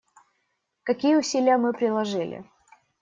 Какие усилия мы приложили?